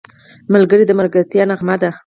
ملګری د ملګرتیا نغمه ده